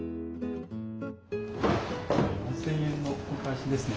４，０００円のお返しですね。